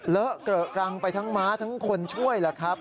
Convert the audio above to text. เลอะเกรอะกรังไปทั้งม้าทั้งคนช่วยล่ะครับ